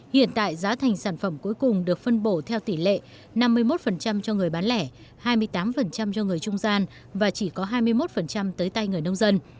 hiện tại giá thành sản phẩm cuối cùng được phân bổ theo tỷ lệ năm mươi một cho người bán lẻ hai mươi tám cho người trung gian và chỉ có hai mươi một tới tay người nông dân